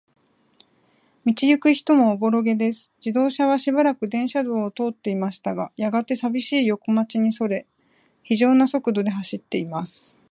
道ゆく人もおぼろげです。自動車はしばらく電車道を通っていましたが、やがて、さびしい横町に折れ、ひじょうな速力で走っています。